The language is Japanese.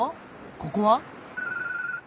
ここは？